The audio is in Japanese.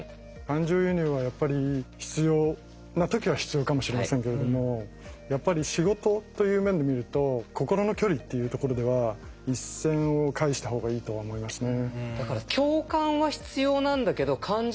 感情移入はやっぱり必要な時は必要かもしれませんけれどもやっぱり仕事という面で見ると心の距離っていうところでは一線をかいした方がいいとは思いますね。